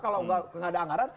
kalau tidak ada anggaran